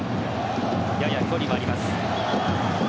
やや距離はあります。